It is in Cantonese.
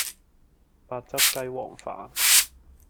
白汁雞皇飯